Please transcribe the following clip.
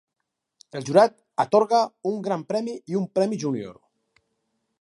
El jurat atorga un gran premi i un premi junior.